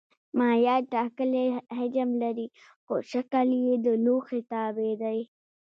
مایعات ټاکلی حجم لري خو شکل یې د لوښي تابع دی.